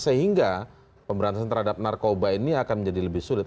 sehingga pemberantasan terhadap narkoba ini akan menjadi lebih sulit